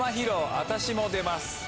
私も出ます。